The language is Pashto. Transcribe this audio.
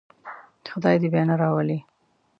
خدای دې یې بیا نه راولي.